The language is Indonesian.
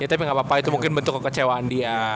ya tapi gapapa itu mungkin bentuk kekecewaan dia